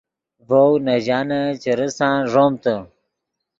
ڤؤ نے ژانن چے ریسان ݱومتے